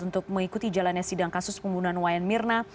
untuk mengikuti jalannya sidang kasus pembunuhan wayan mirna